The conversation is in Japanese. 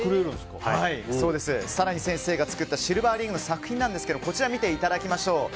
更に、先生が作ったシルバーリングの作品ですがこちらを見ていただきましょう。